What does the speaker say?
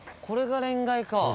これがれんがいか。